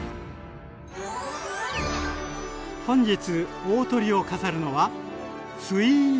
本日大トリを飾るのはスイートポテト。